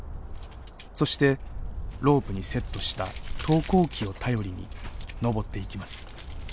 そしてロープにセットした「登高器」を頼りに登っていきます。